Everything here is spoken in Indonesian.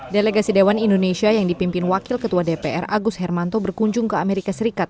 delegasi dewan indonesia yang dipimpin wakil ketua dpr agus hermanto berkunjung ke amerika serikat